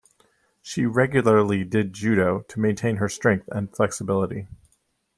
She regularly did judo to maintain her strength and flexibility.